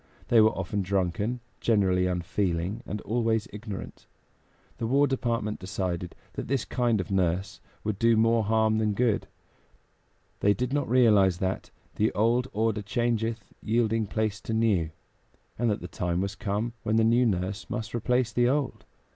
They were often drunken, generally unfeeling, and always ignorant. The War Department decided that this kind of nurse would do more harm than good; they did not realize that "The old order changeth, yielding place to new," and that the time was come when the new nurse must replace the old.